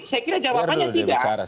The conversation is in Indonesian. saya kira jawabannya tidak